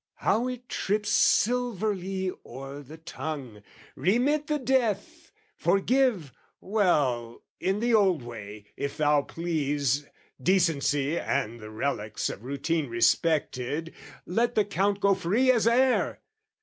How it trips Silverly o'er the tongue! "Remit the death! "Forgive...well, in the old way, if thou please, "Decency and the relics of routine "Respected, let the Count go free as air!